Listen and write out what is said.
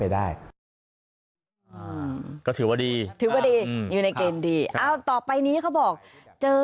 ได้ก็ถือว่าดีถือว่าดีอยู่ในเกณฑ์ดีอ้าวต่อไปนี้เขาบอกเจอ